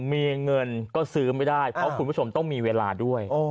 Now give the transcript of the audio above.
มีเงินก็ซืมไปได้เพราะต้องมีเวลาด้วย